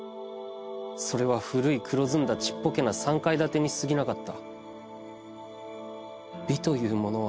それは古い黒ずんだ小っぽけな三階建にすぎなかった」。